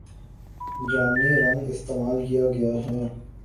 جامنی رنگ استعمال کیا گیا ہے